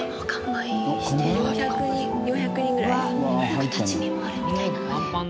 なんか立ち見もあるみたいなので。